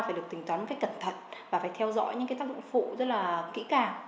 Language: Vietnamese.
phải được tính toán với cẩn thận và phải theo dõi những tác dụng phụ rất là kỹ càng